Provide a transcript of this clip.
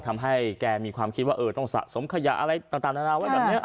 ทำให้แกมีความคิดว่าต้องสะสมขยะอะไรต่างนานาไว้แบบนี้